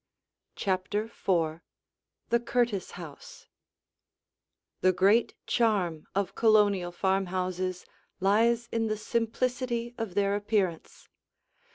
CHAPTER IV THE CURTIS HOUSE The great charm of Colonial farmhouses lies in the simplicity of their appearance.